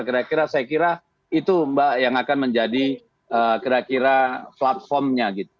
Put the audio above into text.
kira kira saya kira itu mbak yang akan menjadi kira kira platformnya gitu